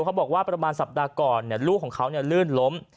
เขาบอกว่าประมาณสัปดาห์ก่อนลูกของเขาลื่นล้ม